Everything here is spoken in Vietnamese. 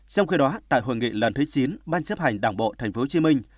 trong khi đó tại hội nghị lần thứ chín ban chấp hành đảng bộ tp hcm